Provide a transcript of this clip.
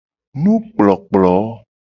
Nukplokplo.